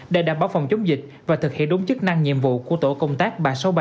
để đảm bảo phòng chống dịch và thực hiện đúng chức năng nhiệm vụ của tổ công tác ba trăm sáu mươi ba